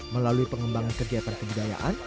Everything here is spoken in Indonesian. melalui pengembangan kerja perkebudayaan